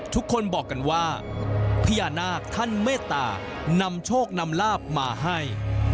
ทุกคนบอกกันว่าพญานาคท่านเมตตานำโชคนำลาบมาให้